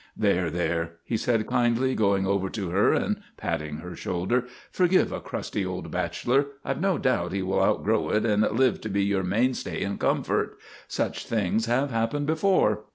There, there," he said, kindly, going over to her and patting her shoulder. " Forgive a crusty old bachelor. I 've no doubt he will outgrow it and live to be your mainstay and comfort. Such things have happened before."